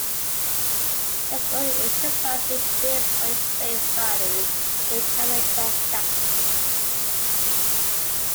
His goal is to pass each bill for its face value in common transactions.